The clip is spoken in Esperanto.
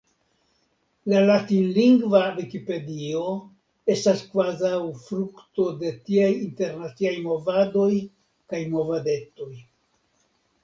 La latinlingva Vikipedio estas kvazaŭ frukto de tiaj internaciaj movadoj kaj movadetoj.